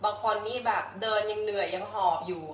บางคนนี่แบบเดินยังเหนื่อยยังหอบอยู่